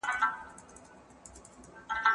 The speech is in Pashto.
ايا حکومت ملاتړ کوي؟